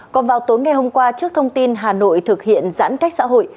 còn vào tối ngày hôm qua trước thông tin hà nội thực hiện giãn cách xã hội